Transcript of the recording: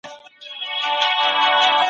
مدافع وکیلان د خلګو له حقونو دفاع کوي.